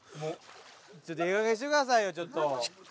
ちょっといいかげんにしてくださいよちょっと。